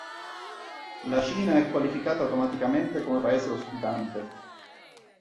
La Cina è qualificata automaticamente come paese ospitante.